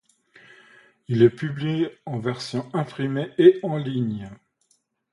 Il est publié en version imprimée et en ligne.